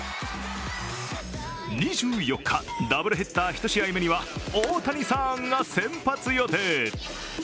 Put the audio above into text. ２４日、ダブルヘッダー１試合目には大谷さんが先発予定。